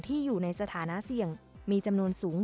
อยู่ในสถานะเสี่ยงมีจำนวนสูง